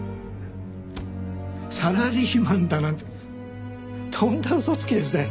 サラリーマンだなんてとんだ嘘つきですね。